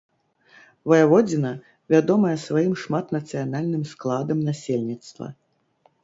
Ваяводзіна вядомая сваім шматнацыянальным складам насельніцтва.